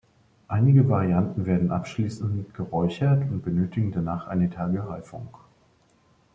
Einige Varianten werden abschließend geräuchert und benötigen danach einige Tage Reifung.